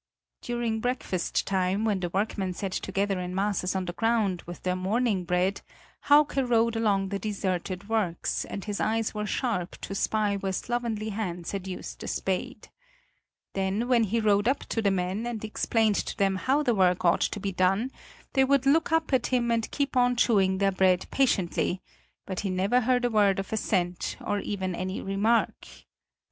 During breakfast time, when the workmen sat together in masses on the ground, with their morning bread, Hauke rode along the deserted works, and his eyes were sharp to spy where slovenly hands had used the spade. Then when he rode up to the men and explained to them how the work ought to be done, they would look up at him and keep on chewing their bread patiently; but he never heard a word of assent or even any remark.